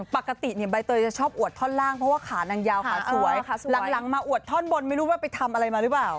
ปกติใบเตยจะชอบอวดท่อนล่างเพราะว่าขานางยาวขาสวยหลังมาอวดท่อนบนไม่รู้ว่าไปทำอะไรมาหรือเปล่า